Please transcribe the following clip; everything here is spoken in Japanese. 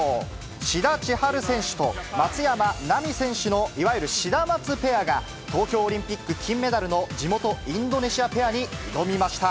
志田千陽選手と松山奈未選手の、いわゆるシダマツペアが、東京オリンピック金メダルの地元、インドネシアペアに挑みました。